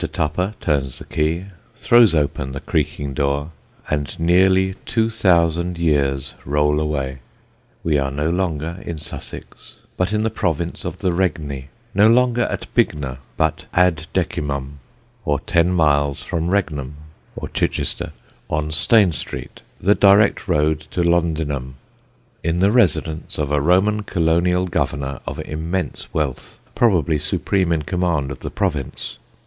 Tupper turns the key, throws open the creaking door and nearly two thousand years roll away. We are no longer in Sussex but in the province of the Regni; no longer at Bignor but Ad Decimum, or ten miles from Regnum (or Chichester) on Stane Street, the direct road to Londinum, in the residence of a Roman Colonial governor of immense wealth, probably supreme in command of the province.